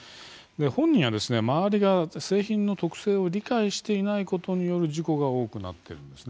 本人や周りが製品の特性を理解していないことによる事故が多くなっているんです。